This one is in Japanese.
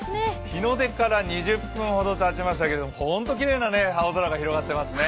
日の出から２０分ほどたちましたけれども本当にきれいな青空が広がっていますね。